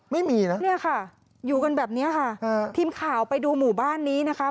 ไม่มีนะเนี่ยค่ะอยู่กันแบบเนี้ยค่ะทีมข่าวไปดูหมู่บ้านนี้นะคะ